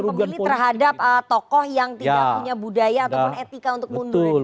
pemilih terhadap tokoh yang tidak punya budaya ataupun etika untuk mundur